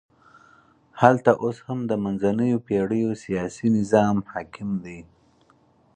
هلته اوس هم د منځنیو پېړیو سیاسي نظام حاکم دی.